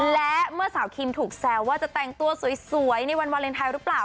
และเมื่อสาวคิมถูกแซวว่าจะแต่งตัวสวยในวันวาเลนไทยหรือเปล่า